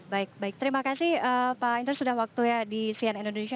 baik baik terima kasih pak indra sudah waktunya di cnn indonesia